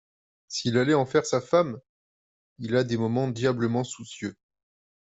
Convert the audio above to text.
S'il allait en faire sa femme ! Il a des moments diablement soucieux.